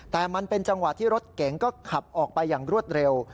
แต่มันเป็นจังหวะที่รถเก๋งก็ขับออกไปอย่างรวดเร็ว